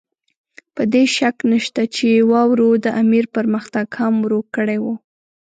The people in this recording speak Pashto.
په دې کې شک نشته چې واورو د امیر پرمختګ هم ورو کړی وو.